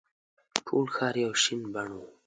ټول ښار یو شین بڼ وو.